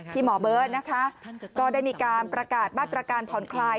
หมอเบิร์ตนะคะก็ได้มีการประกาศมาตรการผ่อนคลาย